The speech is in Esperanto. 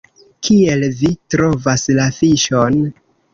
Kiel vi trovas la fiŝon?